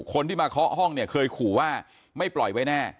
คนที่มาเคาะห้องเนี่ยเคยขู่ว่าไม่ปล่อยไว้แน่